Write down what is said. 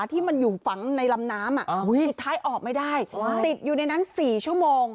ที่มันอยู่ฝังในลำน้ำสุดท้ายออกไม่ได้ติดอยู่ในนั้น๔ชั่วโมง